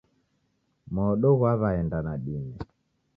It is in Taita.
Modo ghaw'aenda nadime.